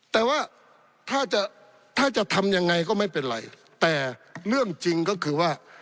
แต่ว่าถ้าจะถ้าจะทำยังไงก็ไม่เป็นไรแต่เรื่องจริงก็คือว่า